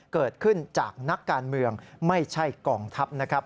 เกิดขึ้นจากนักการเมืองไม่ใช่กองทัพนะครับ